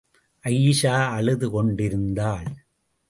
அயீஷா அழுது கொண்டிருந்தாள்.